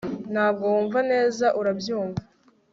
Ntabwo wumva neza urabyumva